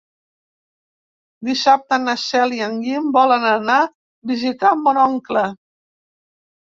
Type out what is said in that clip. Dissabte na Cel i en Guim volen anar a visitar mon oncle.